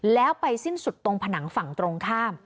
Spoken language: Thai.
แล้วไปสิ้นสุดตรงผนังฝั่งตรงข้าม